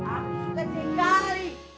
aku suka sekali